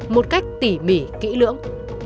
một cách tỉ mỉ kỹ lưỡng